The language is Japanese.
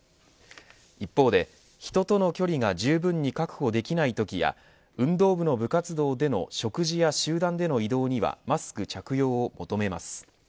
一方で人との距離がじゅうぶんに確保できないときや運動部の部活動での食事や集団での移動にはマスク着用を求めます。